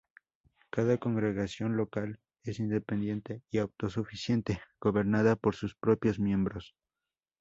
Cada congregación local es independiente y autosuficiente, gobernada por sus propios miembros.